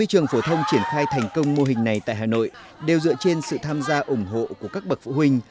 năm mươi trường phổ thông triển khai thành công mô hình này tại hà nội đều dựa trên sự tham gia ủng hộ của các bậc phụ huynh